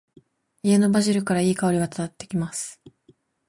家のバジルから、良い香りが漂ってきます。